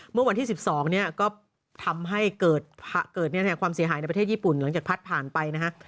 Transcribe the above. เมื่อวันที่๑๒เนี่ยก็ทำให้เกิดความเสียหายในประเทศญี่ปุ่นหลังจากพัดผ่านไปนะฮะ